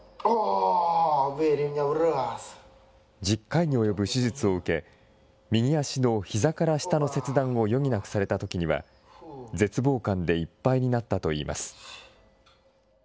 １０回に及ぶ手術を受け、右足のひざから下の切断を余儀なくされたときには、絶望感でいっぱいになったといいます。